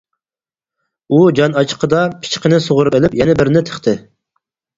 ئۇ جان ئاچچىقىدا پىچىقىنى سۇغۇرۇپ ئېلىپ يەنە بىرنى تىقتى.